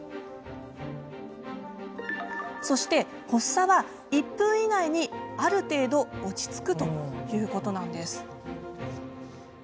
そして発作は１分以内にある程度落ち着くということです。